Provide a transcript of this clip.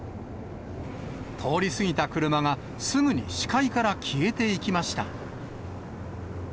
通り過ぎた車がすぐに視界から消えていきました。